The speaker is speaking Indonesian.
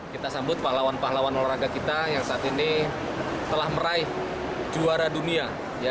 kita sambut pahlawan pahlawan olahraga kita yang saat ini telah meraih juara dunia